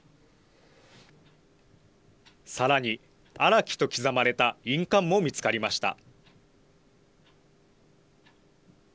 さらに、荒木と刻まれた印鑑も見つかりました。